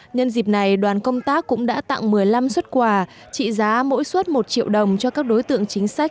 nhân dịp này đoàn công tác cũng đã tặng một mươi năm xuất quà trị giá mỗi xuất một triệu đồng cho các đối tượng chính sách